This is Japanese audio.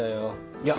いや！